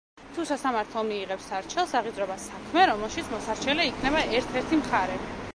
თუ სასამართლო მიიღებს სარჩელს, აღიძვრება საქმე, რომელშიც მოსარჩელე იქნება ერთ–ერთი მხარე.